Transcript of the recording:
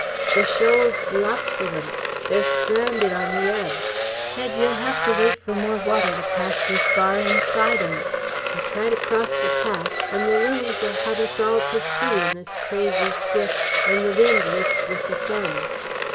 "The shoal's blocked wi' 'em! They're stranded on the ebb. Tedge, yeh'll have to wait for more water to pass this bar inside 'em. Yeh try to cross the pass, and the lilies 'll have us all to sea in this crazy skiff when the wind lifts wi' the sun."